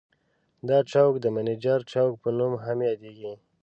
دا چوک د منجر چوک په نوم هم یادیږي.